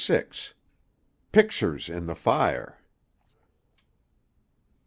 PICTURES IN THE FIRE.